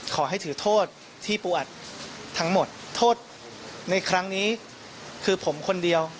ขอให้ถือโทษที่ปูอัดทั้งหมดโทษในครั้งนี้คือผมคนเดียว